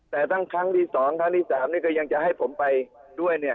แต่ทั้งครั้งที่๒และที่๓ก็ยังจะให้ผมไปด้วย